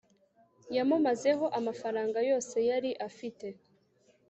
yamumazeho amafaranga yose yari afite